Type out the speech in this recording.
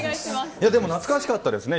でも懐かしかったですね